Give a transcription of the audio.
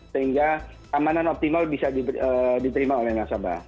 sehingga keamanan optimal bisa diterima oleh nasabah